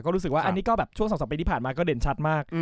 ก็รู้สึกว่าอันนี้ก็แบบช่วง๒๓ปีที่ผ่านมาก็เด่นชัดมาก